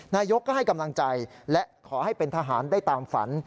นายกก็ให้กำลังใจและขอให้เป็นทหารได้ตามฝัน